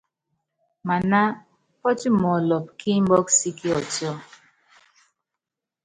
Maná pɔ́timɔlɔpɔ́ kí imbɔ́kɔ sí Kiɔtíɔ.